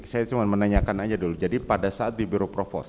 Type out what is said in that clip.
saya cuma menanyakan aja dulu jadi pada saat di biro provos